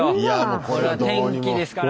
これは天気ですから。